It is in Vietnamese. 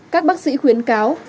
các bác sĩ khuyến cáo